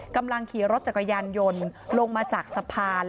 กำลังขี่รถจักรยานยนต์ลงมาจากสะพาน